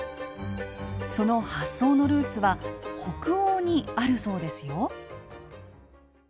その発想のルーツは北欧にあるそうですよ。